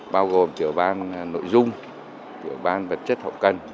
bao gồm tiểu ban nội dung tiểu ban vật chất hậu cần